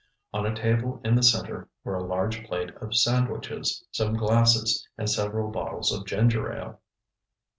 On a table in the center were a large plate of sandwiches, some glasses and several bottles of ginger ale.